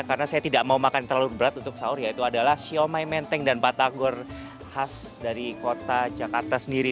karena saya tidak mau makan terlalu berat untuk sahur yaitu adalah siomay menteng dan batagor khas dari kota jakarta sendiri